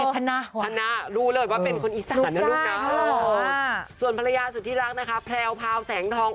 แพลวพาวแสงทอง